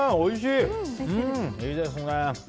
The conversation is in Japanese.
いいですね。